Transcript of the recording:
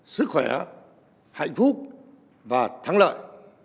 sức khỏe hạnh phúc và thắng lợi